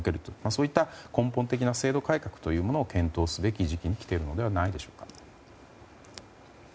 そういった根本的な制度改革を検討すべき時期に来ているのではないでしょうか。